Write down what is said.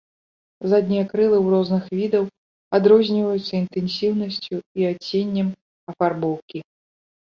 Заднія крылы ў розных відаў адрозніваюцца інтэнсіўнасцю і адценнем афарбоўкі.